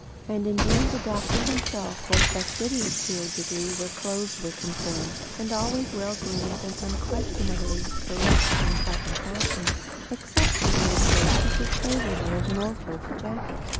And indeed the doctor himself was fastidious to a degree where clothes were concerned, and always well groomed and unquestionably correct in cut and fashion, excepting in the case of his favourite old Norfolk jacket.